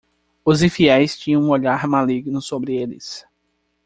Os infiéis tinham um olhar maligno sobre eles.